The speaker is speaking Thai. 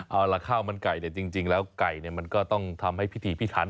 เอาล่ะข้าวมันไก่จริงแล้วไก่มันก็ต้องทำให้พิธีพิถัน